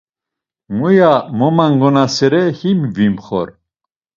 Muya momangonasere him vimxor.